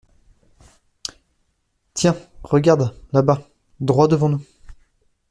Tiens, regarde, là-bas, droit devant nous!